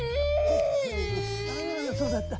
あそうだった。